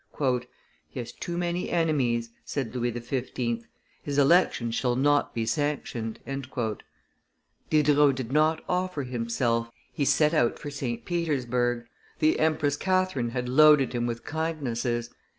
"He has too many enemies," said Louis XV. "his election shall not be sanctioned." Diderot did not offer himself; he set out for St. Petersburg; the Empress Catherine had loaded him with kindnesses.